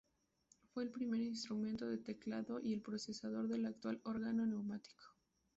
Fue el primer instrumento de teclado y el predecesor del actual órgano neumático.